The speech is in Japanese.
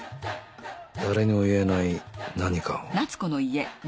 誰にも言えない何かを